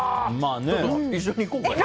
一緒に行こうか。